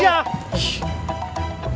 ibu selalu disalahin